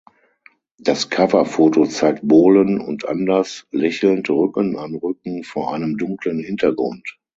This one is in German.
Das Coverfoto zeigt Bohlen und Anders lächelnd Rücken an Rücken vor einem dunklen Hintergrund.